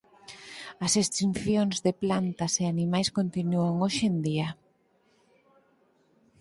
As extincións de plantas e animais continúan hoxe en día.